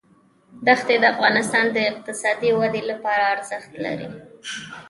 دښتې د افغانستان د اقتصادي ودې لپاره ارزښت لري.